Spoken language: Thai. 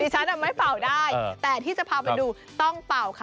ฉันไม่เป่าได้แต่ที่จะพาไปดูต้องเป่าค่ะ